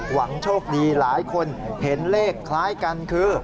หวังโชคดีหลายคนเห็นเลขคล้ายกันคือ